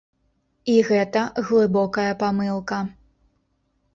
І гэта глыбокая памылка.